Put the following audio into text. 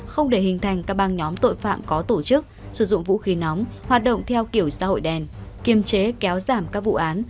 không để hình thành các bang nhóm tội phạm có tổ chức sử dụng vũ khí nóng hoạt động theo kiểu xã hội đen kiềm chế kéo giảm các vụ án